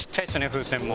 風船も。